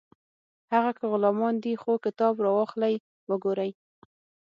هغه که غلامان دي خو کتاب راواخلئ وګورئ